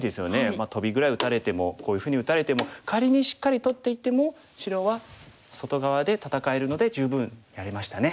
まあトビぐらい打たれてもこういうふうに打たれても仮にしっかり取っていても白は外側で戦えるので十分やれましたね。